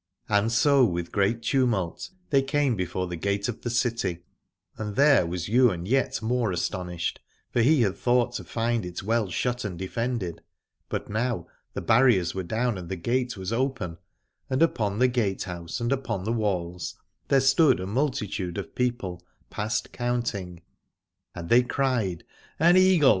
And so with great tumult they came before the gate of the city, and there was Ywain yet more astonished, for he had thought to find 78 Aladore it well shut and defended. But now the barriers were down and the gate was open, and upon the gatehouse and upon the walls there stood a multitude of people past count ing, and they cried : An Eagle